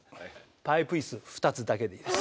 パイプ椅子２つだけでいいです」。